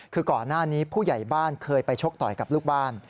คือก่อนหน้านี้ผู้ใหญ่บ้านเคยไปชกต่อยกับลูกบ้าน